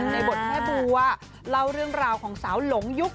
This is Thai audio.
ในบทแม่บัวเล่าเรื่องราวของสาวหลงยุค